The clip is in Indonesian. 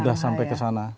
sudah sampai ke sana